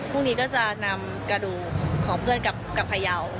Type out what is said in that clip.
พรุ่งนี้ก็จะนำกระดูกของเพื่อนกับพยาว